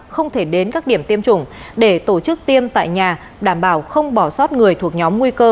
không thể đến các điểm tiêm chủng để tổ chức tiêm tại nhà đảm bảo không bỏ sót người thuộc nhóm nguy cơ